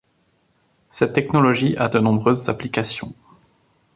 Cette technologie a de nombreuses applications.